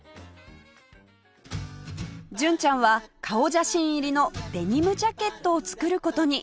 純ちゃんは顔写真入りのデニムジャケットを作る事に